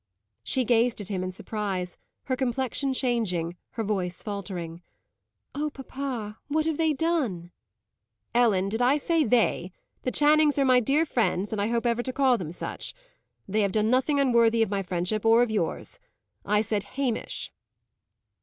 She gazed at him in surprise, her complexion changing, her voice faltering. "Oh, papa! what have they done?" "Ellen, did I say 'they!' The Channings are my dear friends, and I hope ever to call them such. They have done nothing unworthy of my friendship or of yours. I said Hamish."